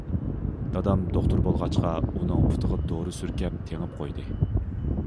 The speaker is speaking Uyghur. دادام دوختۇر بولغاچقا ئۇنىڭ پۇتىغا دورا سۈركەپ تېڭىپ قويدى.